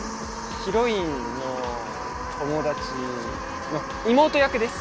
ヒロインの友達の妹役です。